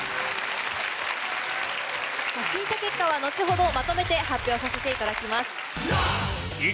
審査結果は後ほどまとめて発表させていただきます。